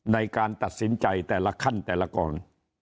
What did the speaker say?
ในการตัดสินใจแต่ละขั้นแต่ละกอง